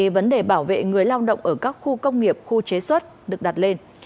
vấn đề bảo vệ người lao động ở các khu công nghiệp khu chế xuất được đặt lên